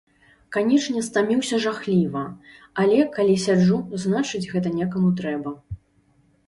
Канечне, стаміўся жахліва, але, калі сяджу, значыць, гэта некаму трэба.